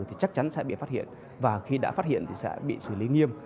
thì chắc chắn sẽ bị phát hiện và khi đã phát hiện thì sẽ bị xử lý nghiêm